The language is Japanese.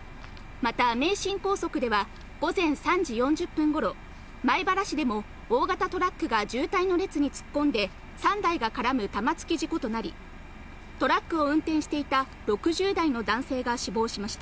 また名神高速では午前３時４０分頃、米原市でも大型トラックが渋滞の列に突っ込んで、３台が絡む玉突き事故となり、トラックを運転していた６０代の男性が死亡しました。